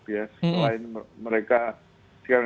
selain mereka sekarang